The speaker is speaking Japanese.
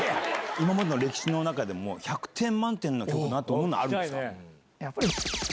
今までの歴史の中でも、１００点満点の曲なんていうものはあるんですか？